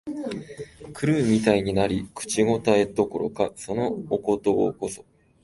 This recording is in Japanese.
狂うみたいになり、口応えどころか、そのお小言こそ、